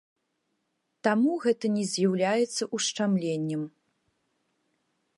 Таму гэта не з'яўляецца ушчамленнем.